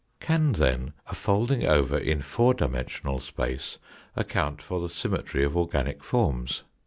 Can, then, a folding over in four dimensional space account for the symmetry of organic forms